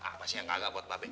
apa sih yang gagal buat mbak be